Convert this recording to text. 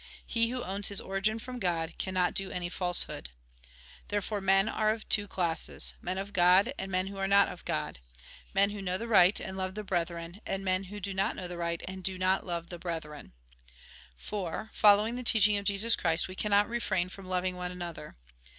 He who owns his origin from God, cannot do any falsehood. Therefore men are of two classes — men of God, and men who are not of God ; men who know the right and love the brethren, and men who do not know the right and do not love the brethren. For, following the teaching of Jesus Christ, we cannot refrain from loving one another.